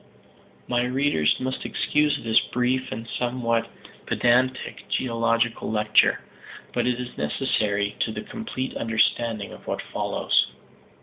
My readers must excuse this brief and somewhat pedantic geological lecture. But it is necessary to the complete understanding of what follows.